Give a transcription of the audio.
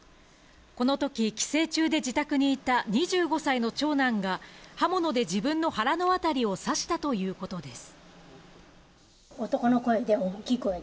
この時、帰省中で自宅にいた２５歳の長男が刃物で自分の腹のあたりを刺したということです。